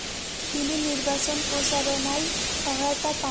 তিনি নির্বাচন প্রচারণায় সহায়তা পান।